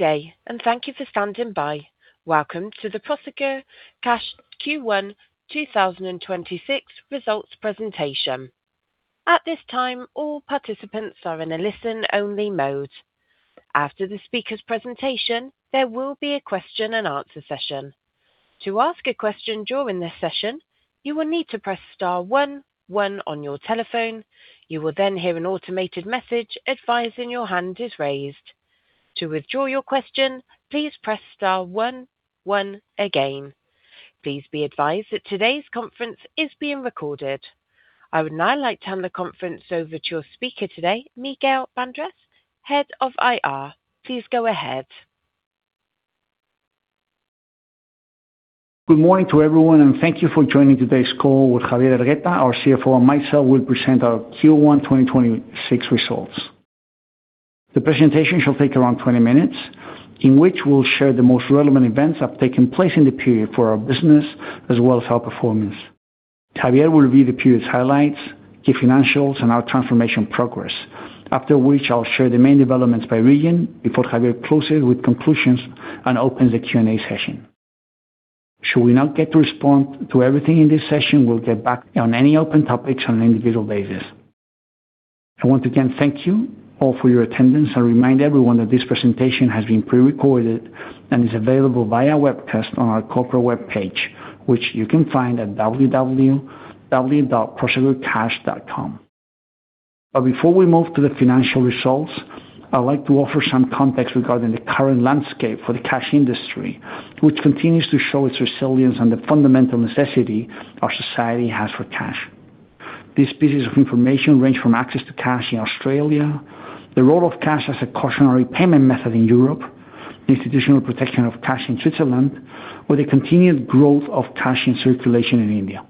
Welcome to the Prosegur Cash Q1 2026 results presentation. At this time, all participants are in a listen-only mode. After the speaker's presentation, there will be a question-and-answer session. To ask a question during this session, you will need to press star one one on your telephone. You will then hear an automated message advising your hand is raised. To withdraw your question, please press star one one again. Please be advised that today's conference is being recorded. I would now like to hand the conference over to your speaker today, Miguel Bandrés, Head of IR. Please go ahead. Good morning to everyone, and thank you for joining today's call with Javier Hergueta, our CFO, and myself will present our Q1 2026 results. The presentation shall take around 20 minutes, in which we'll share the most relevant events that have taken place in the period for our business as well as our performance. Javier will review the period's highlights, key financials, and our transformation progress. After which, I'll share the main developments by region before Javier closes with conclusions and opens the Q&A session. Should we not get to respond to everything in this session, we'll get back on any open topics on an individual basis. I want to again thank you all for your attendance and remind everyone that this presentation has been pre-recorded and is available via webcast on our corporate webpage, which you can find at www.prosegurcash.com. Before we move to the financial results, I'd like to offer some context regarding the current landscape for the cash industry, which continues to show its resilience and the fundamental necessity our society has for cash. These pieces of information range from access to cash in Australia, the role of cash as a cautionary payment method in Europe, the institutional protection of cash in Switzerland, or the continued growth of cash in circulation in India.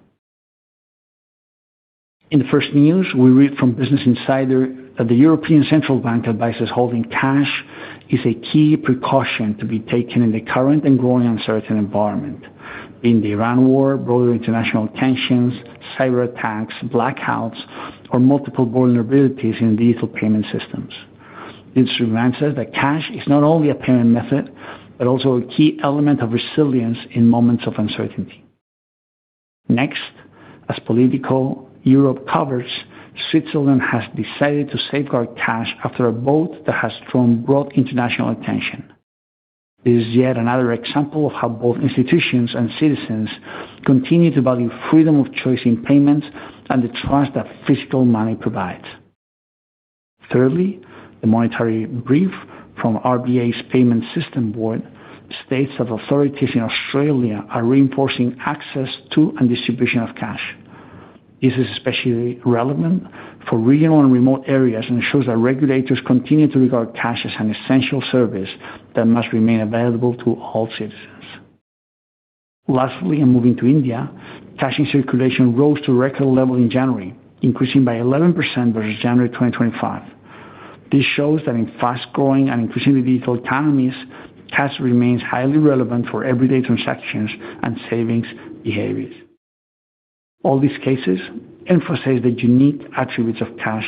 In the first news, we read from Business Insider that the European Central Bank advises holding cash is a key precaution to be taken in the current and growing uncertain environment, the Ukraine war, broader international tensions, cyberattacks, blackouts, or multiple vulnerabilities in digital payment systems. The instrument says that cash is not only a payment method, but also a key element of resilience in moments of uncertainty. Next, as Politico Europe covers, Switzerland has decided to safeguard cash after a vote that has drawn broad international attention. This is yet another example of how both institutions and citizens continue to value freedom of choice in payments and the trust that physical money provides. Thirdly, the monetary brief from RBA's Payments System Board states that authorities in Australia are reinforcing access to and distribution of cash. This is especially relevant for regional and remote areas and ensures that regulators continue to regard cash as an essential service that must remain available to all citizens. Lastly, in moving to India, cash in circulation rose to a record level in January, increasing by 11% versus January 2025. This shows that in fast-growing and increasingly digital economies, cash remains highly relevant for everyday transactions and savings behaviors. All these cases emphasize the unique attributes of cash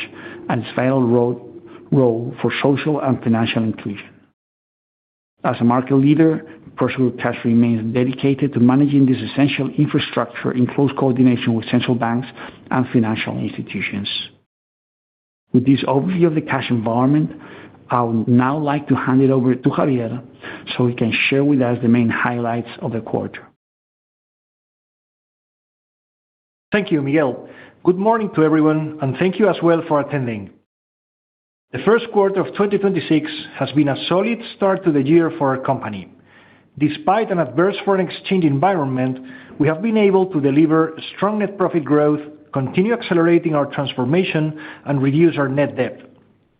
and its vital role for social and financial inclusion. As a market leader, Prosegur Cash remains dedicated to managing this essential infrastructure in close coordination with Central Banks and Financial Institutions. With this overview of the cash environment, I would now like to hand it over to Javier so he can share with us the main highlights of the quarter. Thank you, Miguel. Good morning to everyone, and thank you as well for attending. The first quarter of 2026 has been a solid start to the year for our company. Despite an adverse foreign exchange environment, we have been able to deliver strong net profit growth, continue accelerating our transformation, and reduce our net debt.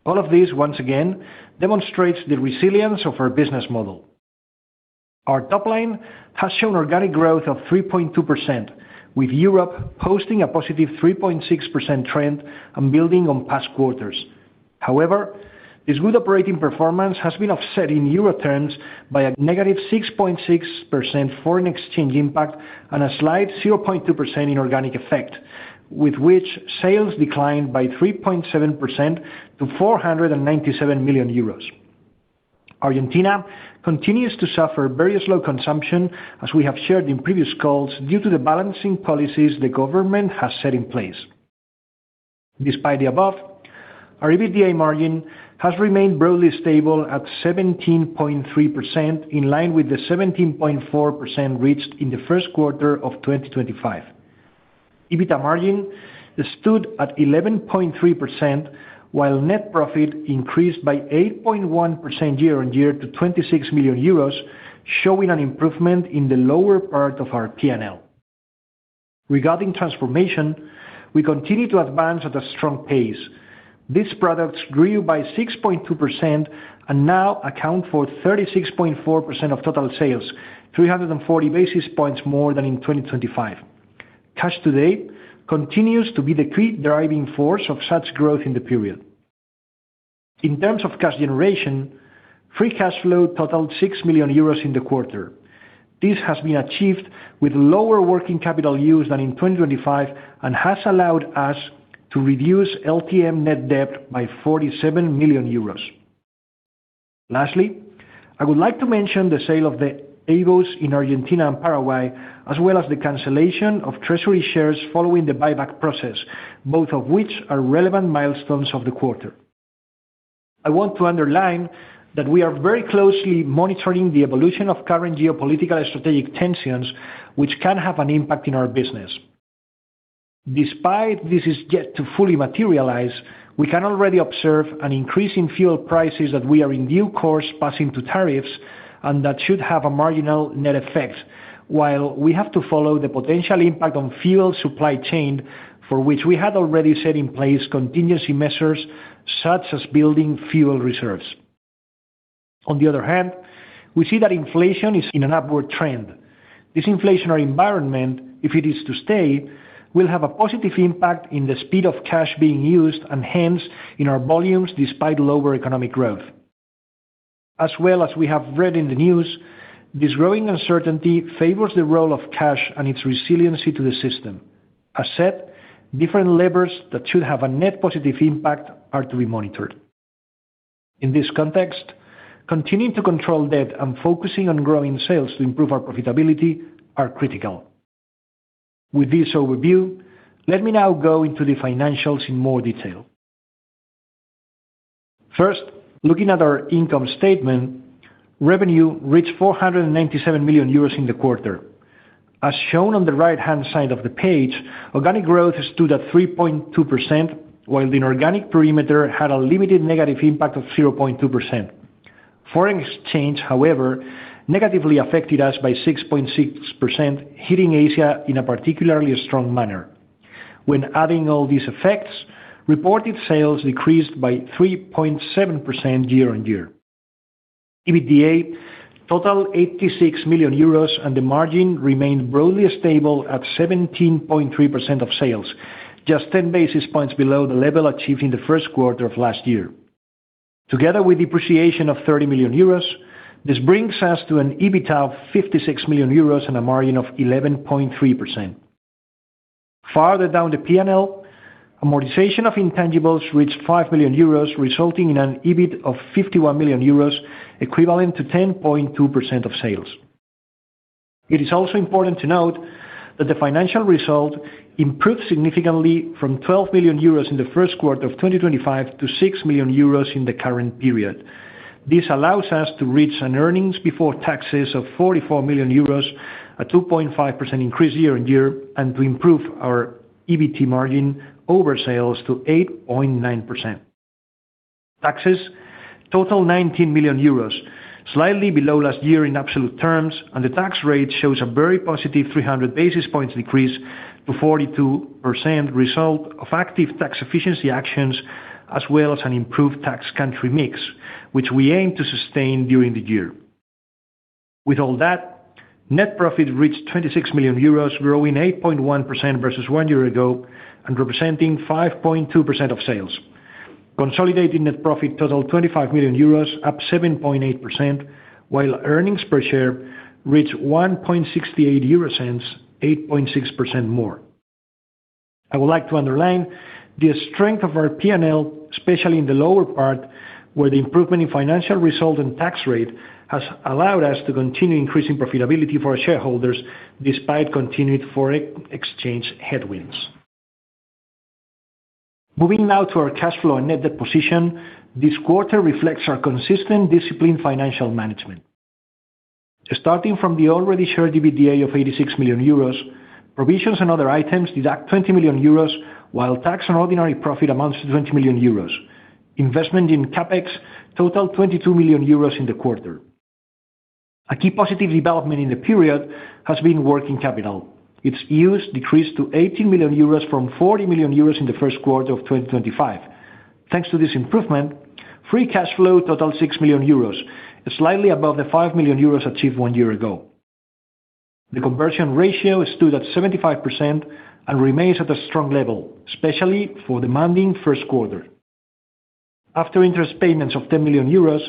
All of this, once again, demonstrates the resilience of our business model. Our top line has shown organic growth of 3.2%, with Europe posting a +3.6% trend and building on past quarters. This good operating performance has been offset in euro terms by a -6.6% foreign exchange impact and a slight 0.2% inorganic effect, with which sales declined by 3.7% to 497 million euros. Argentina continues to suffer very slow consumption, as we have shared in previous calls, due to the balancing policies the government has set in place. Despite the above, our EBITDA margin has remained broadly stable at 17.3%, in line with the 17.4% reached in the first quarter of 2025. EBITDA margin stood at 11.3%, while net profit increased by 8.1% year-on-year to 26 million euros, showing an improvement in the lower part of our P&L. Regarding transformation, we continue to advance at a strong pace. These products grew by 6.2% and now account for 36.4% of total sales, 340 basis points more than in 2025. Cash Today continues to be the key driving force of such growth in the period. In terms of cash generation, free cash flow totaled 6 million euros in the quarter. This has been achieved with lower working capital use than in 2025 and has allowed us to reduce LTM net debt by 47 million euros. Lastly, I would like to mention the sale of the AVOS in Argentina and Paraguay, as well as the cancellation of treasury shares following the buyback process, both of which are relevant milestones of the quarter. I want to underline that we are very closely monitoring the evolution of current geopolitical strategic tensions, which can have an impact in our business. Despite this is yet to fully materialize, we can already observe an increase in fuel prices that we are in due course passing to tariffs and that should have a marginal net effect. While we have to follow the potential impact on fuel supply chain, for which we had already set in place contingency measures such as building fuel reserves. On the other hand, we see that inflation is in an upward trend. This inflationary environment, if it is to stay, will have a positive impact in the speed of cash being used and hence in our volumes despite lower economic growth. As well as we have read in the news, this growing uncertainty favors the role of cash and its resiliency to the system. As said, different levers that should have a net positive impact are to be monitored. In this context, continuing to control debt and focusing on growing sales to improve our profitability are critical. With this overview, let me now go into the financials in more detail. First, looking at our income statement, revenue reached 497 million euros in the quarter. As shown on the right-hand side of the page, organic growth stood at 3.2%, while the inorganic perimeter had a limited negative impact of 0.2%. Foreign exchange, however, negatively affected us by 6.6%, hitting Asia in a particularly strong manner. When adding all these effects, reported sales decreased by 3.7% year-on-year. EBITDA totaled 86 million euros, and the margin remained broadly stable at 17.3% of sales, just 10 basis points below the level achieved in the first quarter of last year. Together with depreciation of 30 million euros, this brings us to an EBIT of 56 million euros and a margin of 11.3%. Further down the P&L, amortization of intangibles reached 5 million euros, resulting in an EBIT of 51 million euros, equivalent to 10.2% of sales. It is also important to note that the financial result improved significantly from 12 million euros in the first quarter of 2025 to 6 million euros in the current period. This allows us to reach an earnings before taxes of 44 million euros, a 2.5% increase year-on-year, and to improve our EBIT margin over sales to 8.9%. Taxes totaled 19 million euros, slightly below last year in absolute terms, and the tax rate shows a very positive 300 basis points decrease to 42% result of active tax efficiency actions as well as an improved tax country mix, which we aim to sustain during the year. With all that, net profit reached 26 million euros, growing 8.1% versus one year ago and representing 5.2% of sales. Consolidating net profit totaled 25 million euros, up 7.8%, while earnings per share reached 0.0168, 8.6% more. I would like to underline the strength of our P&L, especially in the lower part, where the improvement in financial result and tax rate has allowed us to continue increasing profitability for our shareholders despite continued forex exchange headwinds. Moving now to our cash flow and net debt position, this quarter reflects our consistent disciplined financial management. Starting from the already shared EBITDA of 86 million euros, provisions and other items deduct 20 million euros, while tax and ordinary profit amounts to 20 million euros. Investment in CapEx totaled 22 million euros in the quarter. A key positive development in the period has been working capital. Its use decreased to 18 million euros from 40 million euros in the first quarter of 2025. Thanks to this improvement, free cash flow totaled 6 million euros, slightly above the 5 million euros achieved one year ago. The conversion ratio stood at 75% and remains at a strong level, especially for demanding first quarter. After interest payments of 10 million euros,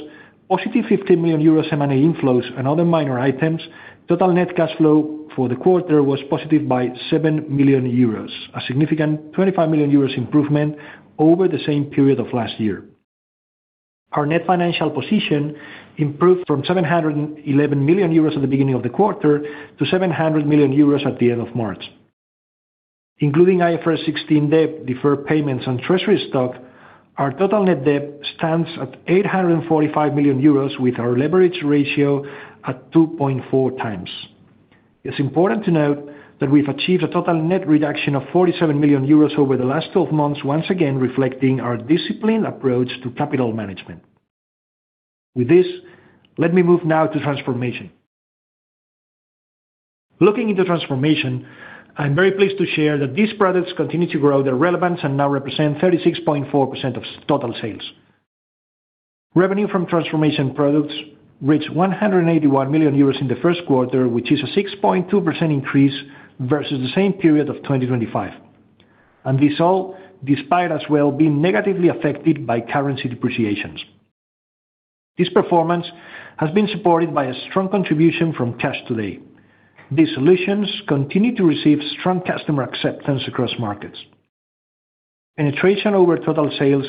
+15 million euros M&A inflows and other minor items, total net cash flow for the quarter was positive by 7 million euros, a significant 25 million euros improvement over the same period of last year. Our net financial position improved from 711 million euros at the beginning of the quarter to 700 million euros at the end of March. Including IFRS 16 debt deferred payments and treasury stock, our total net debt stands at 845 million euros with our leverage ratio at 2.4x. It's important to note that we've achieved a total net reduction of 47 million euros over the last 12 months, once again reflecting our disciplined approach to capital management. With this, let me move now to transformation. Looking into transformation, I'm very pleased to share that these products continue to grow their relevance and now represent 36.4% of total sales. Revenue from transformation products reached 181 million euros in the first quarter, which is a 6.2% increase versus the same period of 2025. This all, despite as well being negatively affected by currency depreciations. This performance has been supported by a strong contribution from Cash Today. These solutions continue to receive strong customer acceptance across markets. Penetration over total sales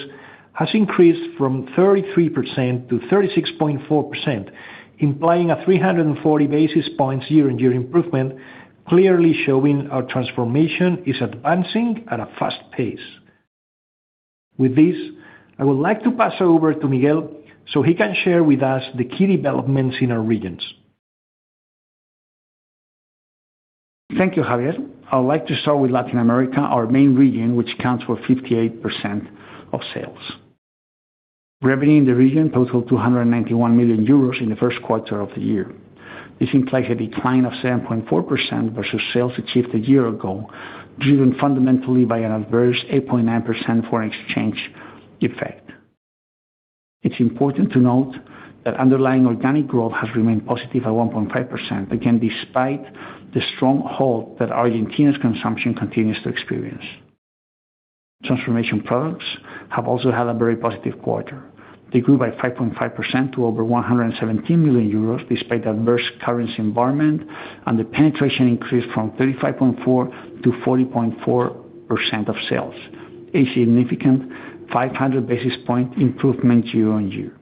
has increased from 33%-36.4%, implying a 340 basis points year-on-year improvement, clearly showing our transformation is advancing at a fast pace. With this, I would like to pass over to Miguel so he can share with us the key developments in our regions. Thank you, Javier. I would like to start with Latin America, our main region, which counts for 58% of sales. Revenue in the region totaled 291 million euros in the first quarter of the year. This implies a decline of 7.4% versus sales achieved a year ago, driven fundamentally by an adverse 8.9% foreign exchange effect. It's important to note that underlying organic growth has remained positive at 1.5%, again, despite the strong halt that Argentina's consumption continues to experience. Transformation products have also had a very positive quarter. They grew by 5.5% to over 117 million euros, despite adverse currency environment, and the penetration increased from 35.4%-40.4% of sales, a significant 500 basis point improvement year-on-year.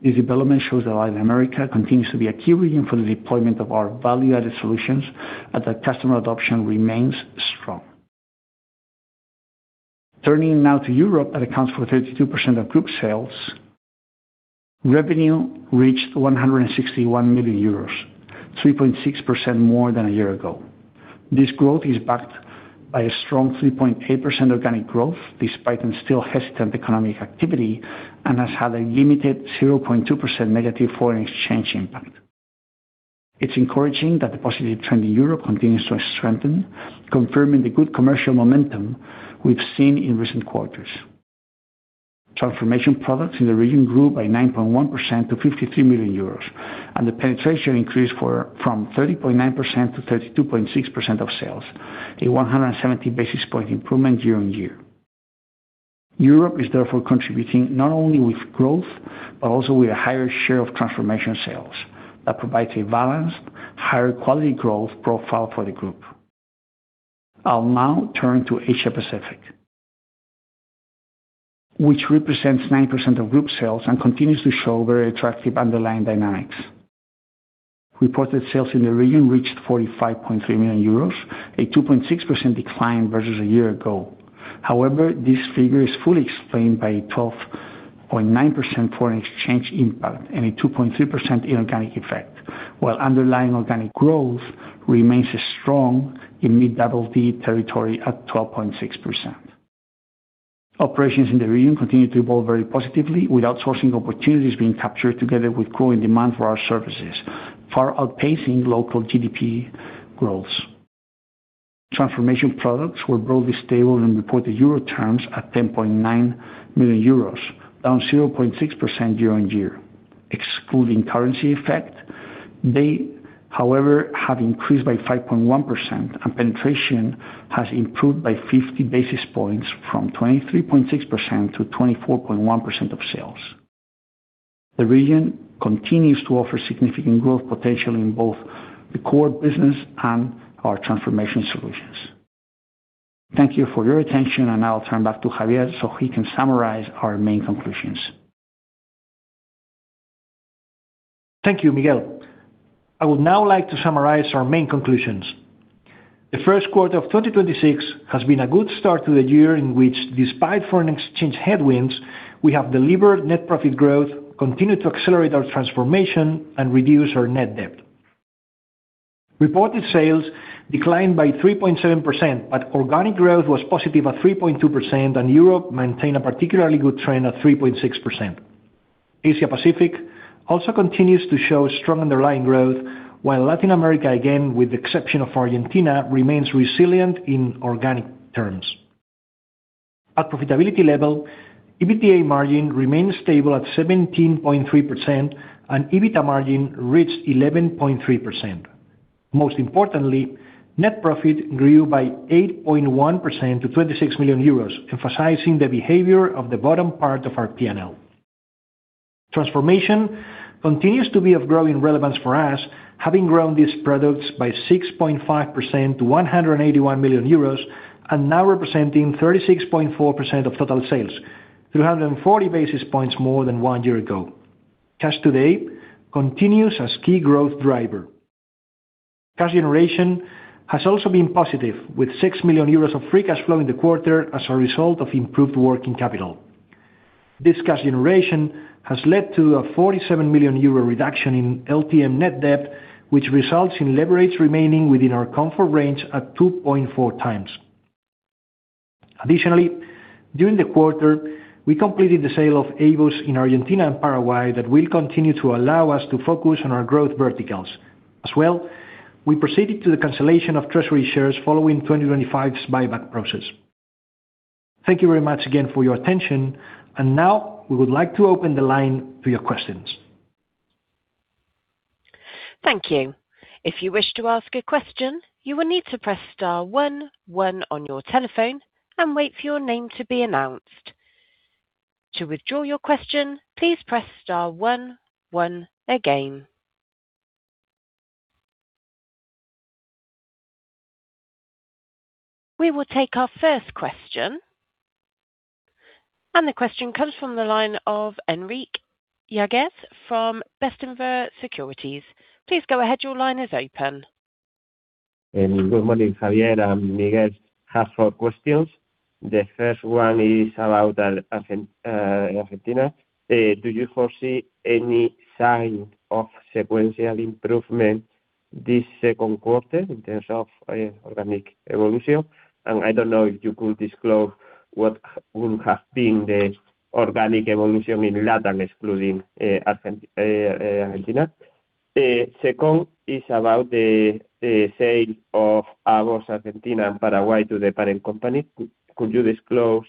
This development shows that Latin America continues to be a key region for the deployment of our value-added solutions, and that customer adoption remains strong. Turning now to Europe, that accounts for 32% of group sales. Revenue reached 161 million euros, 3.6% more than a year ago. This growth is backed by a strong 3.8% organic growth, despite the still hesitant economic activity, and has had a limited 0.2% negative foreign exchange impact. It's encouraging that the positive trend in Europe continues to strengthen, confirming the good commercial momentum we've seen in recent quarters. Transformation products in the region grew by 9.1% to 53 million euros, and the penetration increased from 30.9%-32.6% of sales, a 170 basis point improvement year-on-year. Europe is therefore contributing not only with growth, but also with a higher share of transformation sales that provides a balanced, higher quality growth profile for the group. I will now turn to Asia-Pacific, which represents 9% of group sales and continues to show very attractive underlying dynamics. Reported sales in the region reached 45.3 million euros, a 2.6% decline versus a year ago. This figure is fully explained by a 12.9% foreign exchange impact and a 2.3% inorganic effect, while underlying organic growth remains strong in mid-double digit territory at 12.6%. Operations in the region continue to evolve very positively, with outsourcing opportunities being captured together with growing demand for our services, far outpacing local GDP growth. Transformation products were broadly stable in reported euro terms at 10.9 million euros, down 0.6% year-on-year. Excluding currency effect, they, however, have increased by 5.1%, and penetration has improved by 50 basis points from 23.6%-24.1% of sales. The region continues to offer significant growth potential in both the core business and our Transformation products. Thank you for your attention, and I'll turn back to Javier so he can summarize our main conclusions. Thank you, Miguel. I would now like to summarize our main conclusions. The first quarter of 2026 has been a good start to the year in which, despite foreign exchange headwinds, we have delivered net profit growth, continued to accelerate our transformation, and reduce our net debt. Reported sales declined by 3.7%, but organic growth was positive at 3.2%, and Europe maintained a particularly good trend at 3.6%. Asia-Pacific also continues to show strong underlying growth, while Latin America, again, with the exception of Argentina, remains resilient in organic terms. At profitability level, EBITDA margin remained stable at 17.3%, and EBITDA margin reached 11.3%. Most importantly, net profit grew by 8.1% to 26 million euros, emphasizing the behavior of the bottom part of our P&L. Transformation continues to be of growing relevance for us, having grown these products by 6.5% to 181 million euros and now representing 36.4% of total sales, 340 basis points more than one year ago. Cash Today continues as key growth driver. Cash generation has also been positive, with 6 million euros of free cash flow in the quarter as a result of improved working capital. This cash generation has led to a 47 million euro reduction in LTM net debt, which results in leverage remaining within our comfort range at 2.4x. Additionally, during the quarter, we completed the sale of AVOS in Argentina and Paraguay that will continue to allow us to focus on our growth verticals. As well, we proceeded to the cancellation of treasury shares following 2025's buyback process. Thank you very much again for your attention, and now we would like to open the line to your questions. Thank you. If you wish to ask a question, you will need to press star one one on your telephone and wait for your name to be announced. To withdraw your question, please press star one one again. We will take our first question. The question comes from the line of Enrique Yáguez from Bestinver Securities. Please go ahead. Your line is open. Good morning, Javier and Miguel. I have four questions. The first one is about Argentina. Do you foresee any sign of sequential improvement this second quarter in terms of organic evolution? I don't know if you could disclose what would have been the organic evolution in Latin, excluding Argentina. Second is about the sale of AVOS Argentina and Paraguay to the parent company. Could you disclose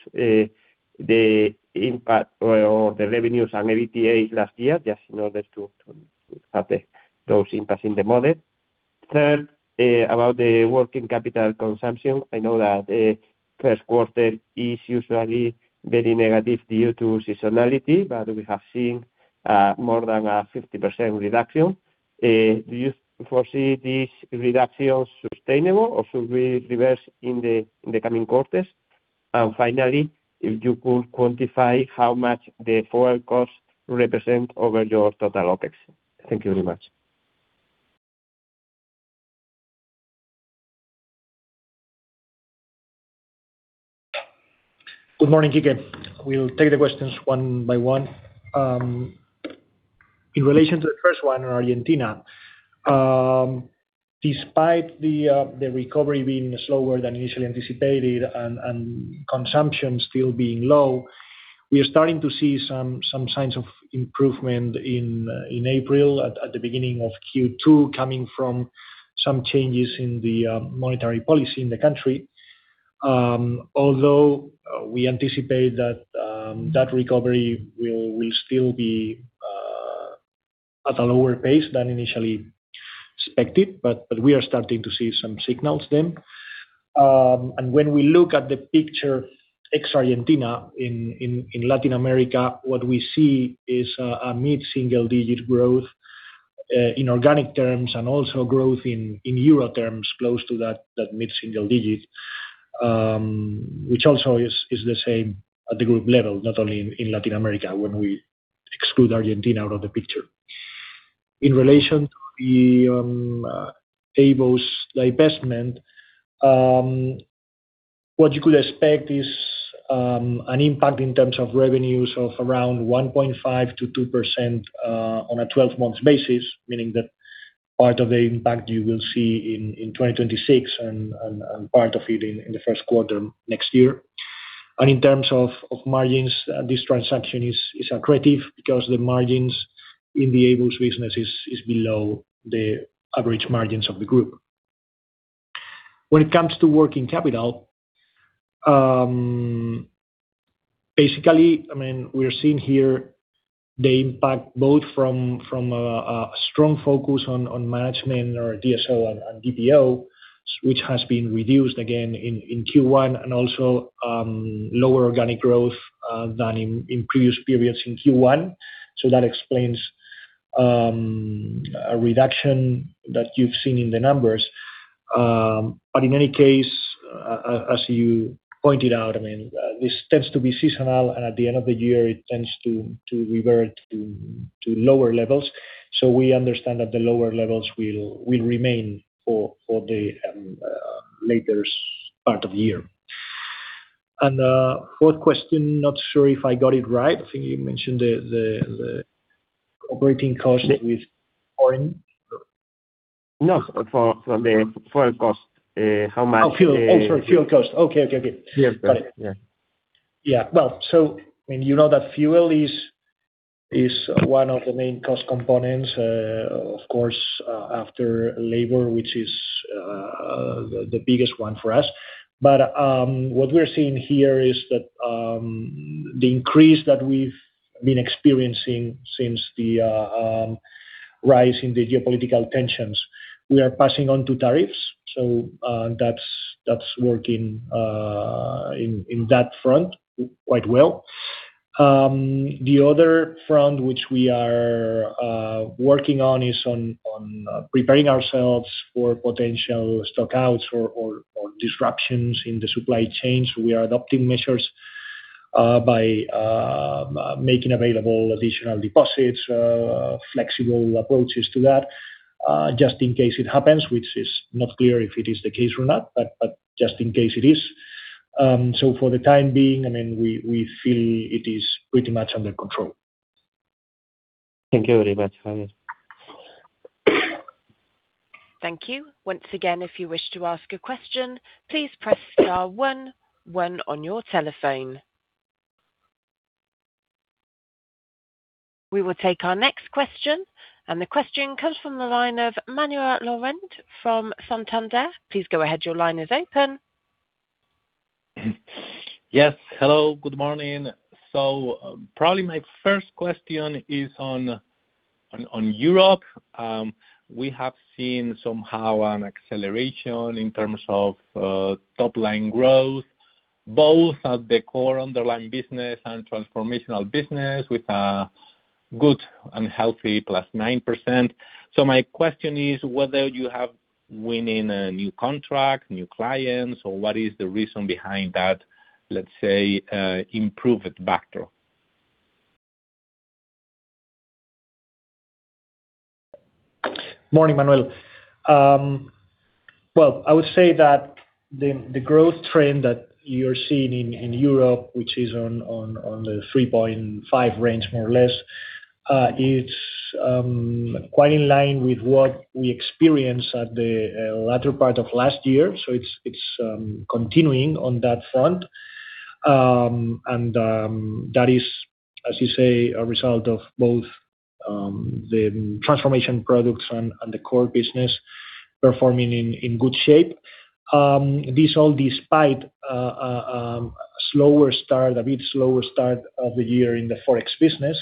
the impact or the revenues and EBITDA last year, just in order to have those impacts in the model? Third, about the working capital consumption. I know that first quarter is usually very negative due to seasonality, but we have seen more than a 50% reduction. Do you foresee this reduction sustainable or should we reverse in the coming quarters? Finally, if you could quantify how much the fuel costs represent over your total OpEx. Thank you very much. Good morning, Enrique. We'll take the questions one by one. In relation to the first one on Argentina, despite the recovery being slower than initially anticipated and consumption still being low, we are starting to see some signs of improvement in April at the beginning of Q2, coming from some changes in the monetary policy in the country. We anticipate that recovery will still be at a lower pace than initially expected, but we are starting to see some signals then. When we look at the picture, ex-Argentina in Latin America, what we see is a mid-single digit growth in organic terms and also growth in euro terms close to that mid-single digit, which also is the same at the group level, not only in Latin America, when we exclude Argentina out of the picture. In relation to the AVOS divestment, what you could expect is an impact in terms of revenues of around 1.5%-2% on a 12-month basis, meaning that part of the impact you will see in 2026 and part of it in the first quarter next year. In terms of margins, this transaction is accretive because the margins in the AVOS business is below the average margins of the group. When it comes to working capital, I mean, we are seeing here the impact both from strong focus on management or DSO and DPO, which has been reduced again in Q1 and also lower organic growth than in previous periods in Q1. That explains a reduction that you've seen in the numbers. In any case, as you pointed out, I mean, this tends to be seasonal, and at the end of the year, it tends to revert to lower levels. We understand that the lower levels will remain for the later part of the year. Fourth question, not sure if I got it right. I think you mentioned the operating costs with foreign- No, for the fuel cost. How much- Fuel. Sorry, fuel cost. Okay. Okay. Good. Yes. Yeah. I mean, you know that fuel is one of the main cost components, of course, after labor, which is the biggest one for us. What we're seeing here is that the increase that we've been experiencing since the rise in the geopolitical tensions, we are passing on to tariffs. That's working in that front quite well. The other front which we are working on is on preparing ourselves for potential stock outs or disruptions in the supply chains. We are adopting measures by making available additional deposits, flexible approaches to that, just in case it happens, which is not clear if it is the case or not, but just in case it is. For the time being, I mean, we feel it is pretty much under control. Thank you very much, Javier. Thank you. Once again, if you wish to ask a question, please press star one one on your telephone. We will take our next question, and the question comes from the line of Manuel Laurent from Santander. Please go ahead. Your line is open. Yes. Hello, good morning. Probably my first question is on Europe. We have seen somehow an acceleration in terms of top-line growth, both at the core underlying business and Transformation products with a good and healthy +9%. My question is whether you have winning a new contract, new clients, or what is the reason behind that, let's say, improved factor? Morning, Manuel. Well, I would say that the growth trend that you're seeing in Europe, which is on the 3.5 range, more or less, it's quite in line with what we experienced at the latter part of last year. It's continuing on that front. That is, as you say, a result of both the transformation products and the core business performing in good shape. This all despite a slower start, a bit slower start of the year in the Forex business.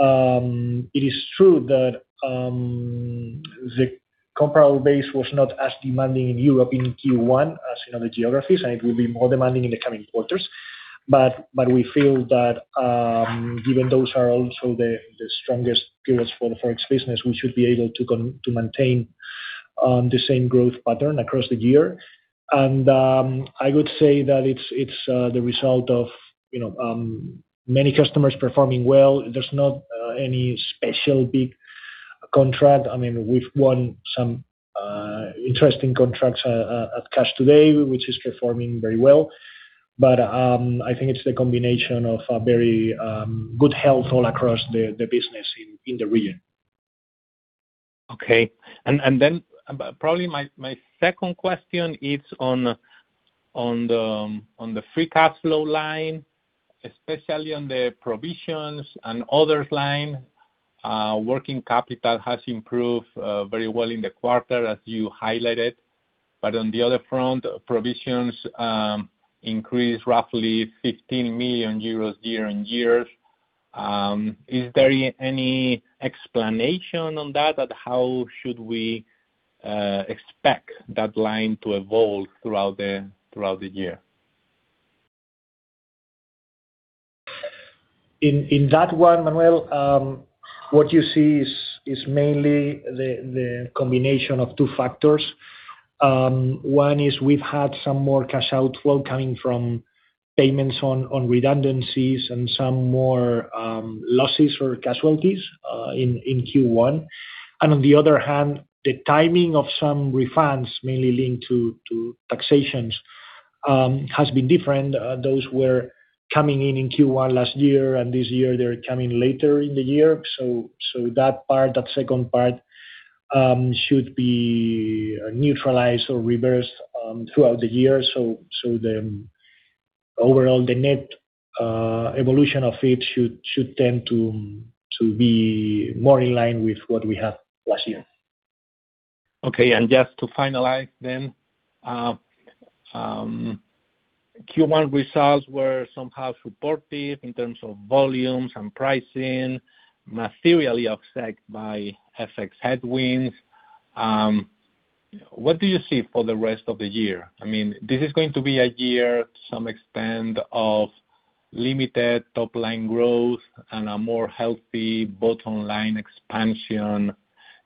It is true that the comparable base was not as demanding in Europe in Q1 as in other geographies, and it will be more demanding in the coming quarters. We feel that, given those are also the strongest periods for the Forex business, we should be able to maintain the same growth pattern across the year. I would say that it's the result of, you know, many customers performing well. There's not any special big contract. I mean, we've won some interesting contracts at Cash Today, which is performing very well. I think it's the combination of a very good health all across the business in the region. Okay. Probably my second question is on the free cash flow line, especially on the provisions and others line. Working capital has improved very well in the quarter, as you highlighted. On the other front, provisions increased roughly 15 million euros year-on-year. Is there any explanation on that? How should we expect that line to evolve throughout the year? In that one, Manuel, what you see is mainly the combination of two factors. One is we've had some more cash outflow coming from payments on redundancies and some more losses for casualties in Q1. On the other hand, the timing of some refunds mainly linked to taxations has been different. Those were coming in in Q1 last year. This year they're coming later in the year. That part, that second part, should be neutralized or reversed throughout the year. The overall, the net evolution of it should tend to be more in line with what we had last year. Okay. Just to finalize then, Q1 results were somehow supportive in terms of volumes and pricing, materially offset by FX headwinds. What do you see for the rest of the year? I mean, this is going to be a year to some extent of limited top-line growth and a more healthy bottom line expansion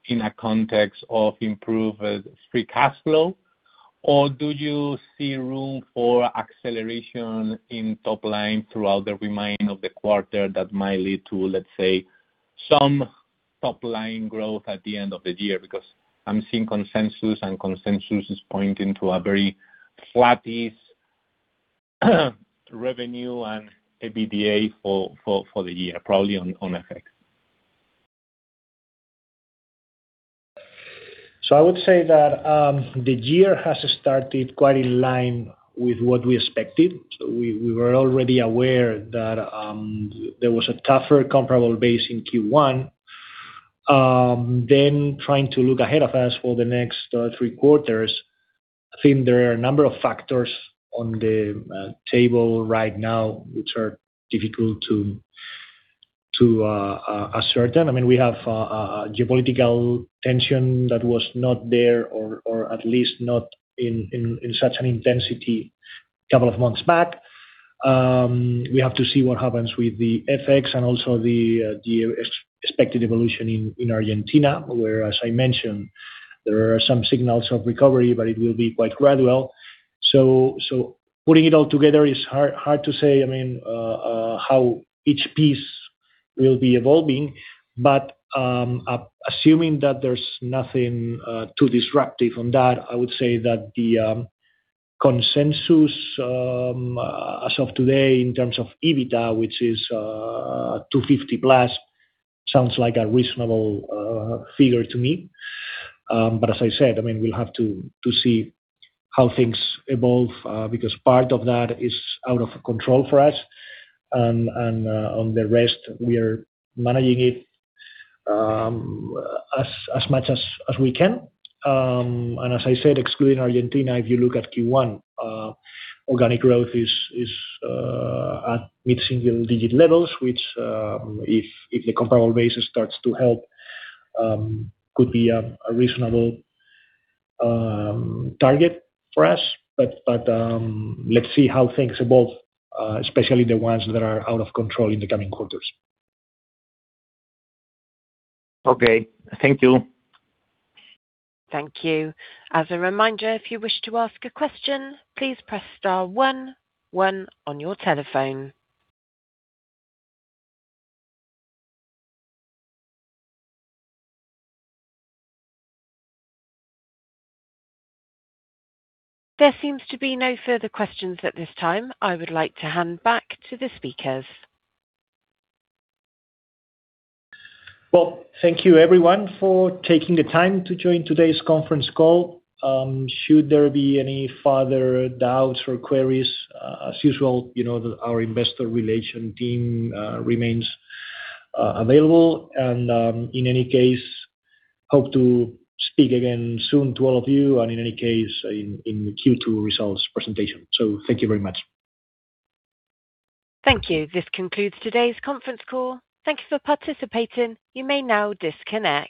in a context of improved free cash flow. Do you see room for acceleration in top line throughout the remaining of the quarter that might lead to, let's say, some top-line growth at the end of the year? I'm seeing consensus, and consensus is pointing to a very flattish revenue and EBITDA for the year, probably on effect. I would say that the year has started quite in line with what we expected. We were already aware that there was a tougher comparable base in Q1. Trying to look ahead of us for the next three quarters, I think there are a number of factors on the table right now which are difficult to assert. I mean, we have geopolitical tension that was not there, or at least not in such an intensity a couple of months back. We have to see what happens with the FX and also the ex-expected evolution in Argentina, where, as I mentioned, there are some signals of recovery, but it will be quite gradual. Putting it all together is hard to say, I mean, how each piece will be evolving. Assuming that there's nothing too disruptive on that, I would say that the consensus as of today in terms of EBITDA, which is 250+, sounds like a reasonable figure to me. But as I said, I mean, we'll have to see how things evolve because part of that is out of control for us. On the rest, we are managing it as much as we can. As I said, excluding Argentina, if you look at Q1, organic growth is at mid-single digit levels, which if the comparable basis starts to help, could be a reasonable target for us. Let's see how things evolve, especially the ones that are out of control in the coming quarters. Okay. Thank you. Thank you. As a reminder, if you wish to ask a question, please press star one one on your telephone. There seems to be no further questions at this time. I would like to hand back to the speakers. Well, thank you everyone for taking the time to join today's conference call. Should there be any further doubts or queries, as usual, you know that our investor relations team remains available. In any case, hope to speak again soon to all of you, and in any case, in Q2 results presentation. Thank you very much. Thank you. This concludes today's conference call. Thank you for participating. You may now disconnect.